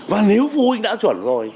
và nếu phối đã chuẩn rồi